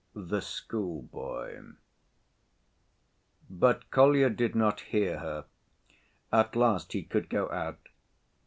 The Schoolboy But Kolya did not hear her. At last he could go out.